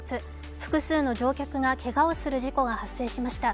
複数の乗客がけがをする事故が発生しました。